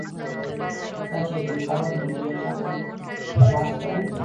دا چې د انتخاباتو نتېجه چا ته واک سپاري.